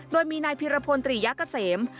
โดยมีนายพิรพลตรียะเกษม